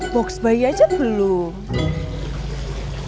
box bayi aja belum